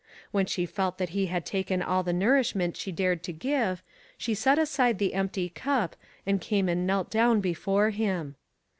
When she felt that he had taken all the nourishment she dared to give, she set aside the empty cup, and came and knelt down before him.